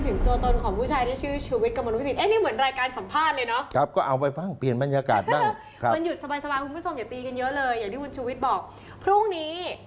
ถึงตัวตนของผู้ชายที่ชื่อชูวิทย์กับมนุษย์สิทธิ์